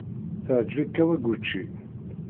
Teɛjeb-ik Kawaguchi.